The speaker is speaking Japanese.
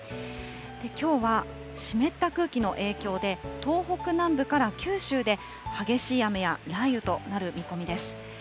きょうは湿った空気の影響で、東北南部から九州で激しい雨や雷雨となる見込みです。